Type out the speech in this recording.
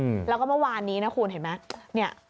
อืมแล้วก็เมื่อวานนี้นะคุณเห็นไหมเนี้ย